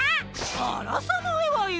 あらさないわよ！